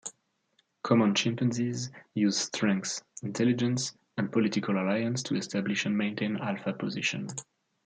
Common chimpanzees use strength, intelligence, and political alliances to establish and maintain alpha position.